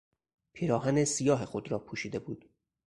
پیراهن سیاه خود را پوشیده بود.